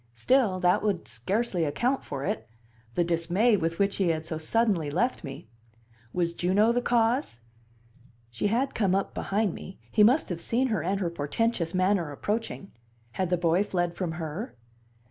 Still, that would scarcely account for it the dismay with which he had so suddenly left me. Was Juno the cause she had come up behind me; he must have seen her and her portentous manner approaching had the boy fled from her?